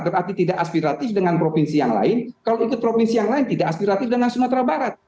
berarti tidak aspiratif dengan provinsi yang lain kalau ikut provinsi yang lain tidak aspiratif dengan sumatera barat